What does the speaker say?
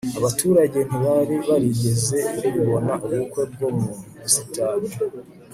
abaturage ntibari barigeze bibona ubukwe bwo mu busitani